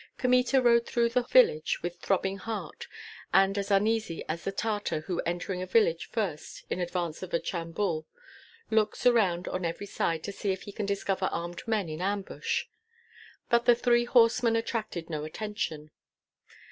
Kmita rode through the village with throbbing heart and as uneasy as the Tartar who entering a village first, in advance of a chambul, looks around on every side to see if he can discover armed men in ambush. But the three horsemen attracted no attention.